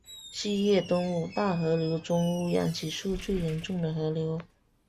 是粤东五大河流中污染指数最严重的河流。